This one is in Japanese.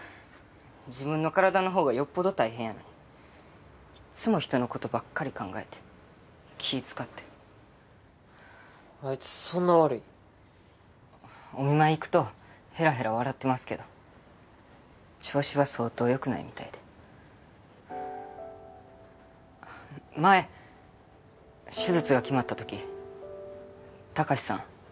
自分の体のほうがよっぽど大変やのにいっつも人のことばっかり考えて気ぃ遣ってあいつそんな悪いん？お見舞い行くとへらへら笑ってますけど調子は相当よくないみたいで前手術が決まった時タカシさん